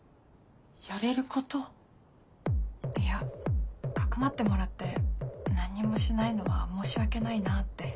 いや匿ってもらって何にもしないのは申し訳ないなって。